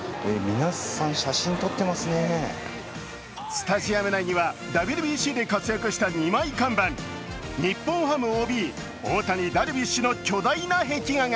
スタジアム内にはＷＢＣで活躍した二枚看板日本ハムＯＢ、大谷、ダルビッシュの巨大壁画が。